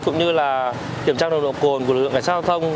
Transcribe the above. cũng như là kiểm tra nồng độ cồn của lực lượng cảnh sát giao thông